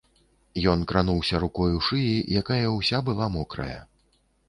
Ён крануўся рукою шыі, якая ўся была мокрая.